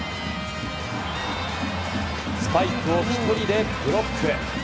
スパイクを１人でブロック！